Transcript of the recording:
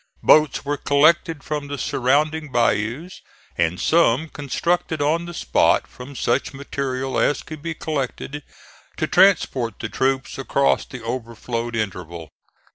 Boats were collected from the surrounding bayous, and some constructed on the spot from such material as could be collected, to transport the troops across the overflowed interval.